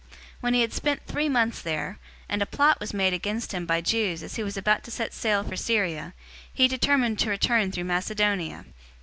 020:003 When he had spent three months there, and a plot was made against him by Jews as he was about to set sail for Syria, he determined to return through Macedonia.